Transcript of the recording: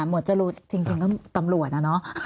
หมวดจรูนจริงก็ตำรวจนะ